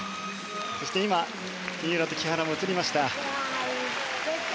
そして今、三浦と木原も映りました。